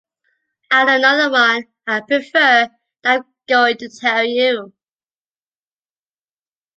I know another one I prefer that I am going to tell you.